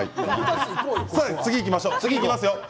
次にいきましょう。